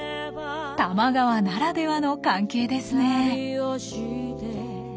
多摩川ならではの関係ですね。